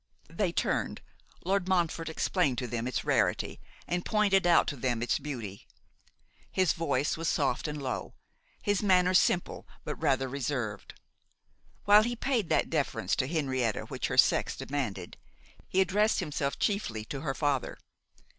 They turned; Lord Montfort explained to them its rarity, and pointed out to them its beauty. His voice was soft and low, his manner simple but rather reserved. While he paid that deference to Henrietta which her sex demanded, he addressed himself chiefly to her father.